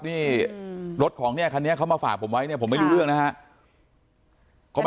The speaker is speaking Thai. นี่รถของคันนี้เขามาฝากผมไว้ผมไม่รู้เรื่องนะฮะ